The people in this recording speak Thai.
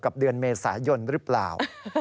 เดือนเมษายนหรือเปล่า